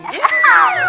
kayak rudu dong saya